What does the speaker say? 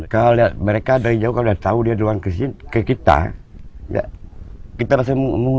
kalau mereka dari jauh kalau tahu dia keluar ke sini ke kita kita harus mundur